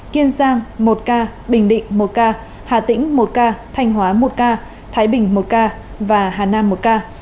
kiên giang một ca bình định một ca hà tĩnh một ca thanh hóa một ca thái bình một ca và hà nam một ca